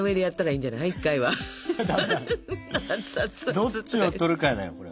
どっちをとるかだよこれ。